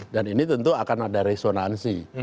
dan ini tentu akan ada resonansi